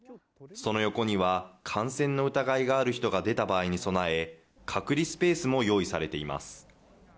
その横には、感染の疑いがある人が出た場合に備え隔離スペースも用意されています。